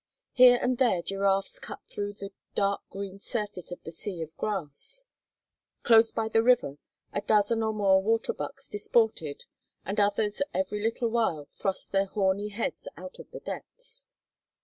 Here and there giraffes cut through the dark green surface of the sea of grass. Close by the river a dozen or more water bucks disported and others every little while thrust their horny heads out of the depths.